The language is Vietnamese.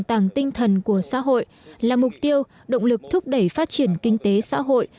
an thần của xã hội là mục tiêu động lực thúc đẩy phát triển kinh tế xã hội